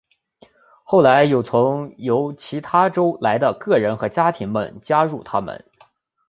后来有从由其他州来的个人和家庭们加入他们。